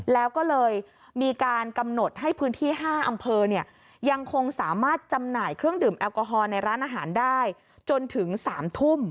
แล้วก็เลยมีการกำหนดให้พื้นที่๕อำเภอเนี่ยยังคงสามารถจำหน่ายเครื่องดื่มแอลกอฮอลในร้านอาหารได้จนถึง๓ทุ่ม